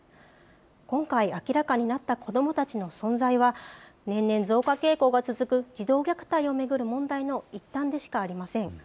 今回、明らかになった子どもたちの存在は、年々増加傾向が続く児童虐待を巡る問題の一端でしかありません。